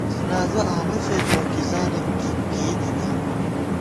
زِنازہ آمہ فېدُوَہ ، کِزانِک کی کېئی تِتہ